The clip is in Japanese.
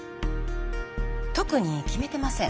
特に決めてません。